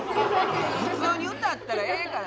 普通に歌ったらええから。